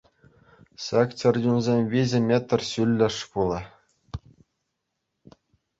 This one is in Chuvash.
Ҫак чӗрчунсем виҫӗ метр ҫуллӗш пулӗ.